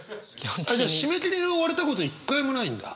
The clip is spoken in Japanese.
じゃあ締め切りに追われたこと一回もないんだ？